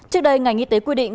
trước đây ngành y tế quy định